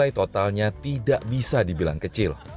jersi tim merah putih totalnya tidak bisa dibilang kecil